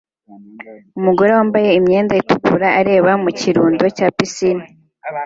Umugore wambaye imyenda itukura areba mu kirundo cya pisine